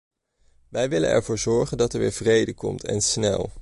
Wij willen ervoor zorgen dat er weer vrede komt en snel.